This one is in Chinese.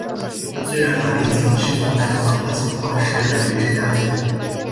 虽然玛丽仅仅是贩卖她所发现的化石来维持家计。